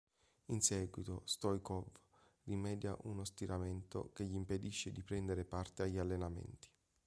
In seguito, Stoičkov rimedia uno stiramento che gli impedisce di prendere parte agli allenamenti.